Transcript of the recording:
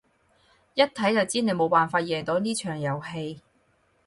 一睇就知你冇辦法贏到呢場遊戲